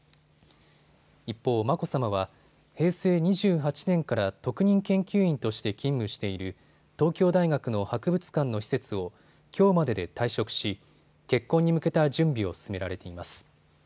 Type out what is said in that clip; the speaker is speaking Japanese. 一方、眞子さまは平成２８年から特任研究員として勤務している東京大学の博物館の施設をきょうまでで退職し、結婚に向けた準備を進められています。